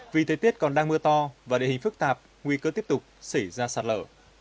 vì thế tiết còn đang mưa to và địa hình phức tạp nguy cơ tiếp tục xảy ra sạt lở